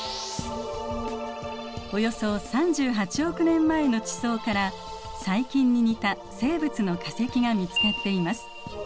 およそ３８億年前の地層から細菌に似た生物の化石が見つかっています。